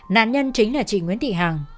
nạn nhân chính là chị nguyễn thị hằng